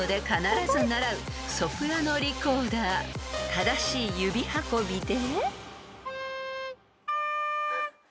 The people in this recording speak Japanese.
［正しい指運びで］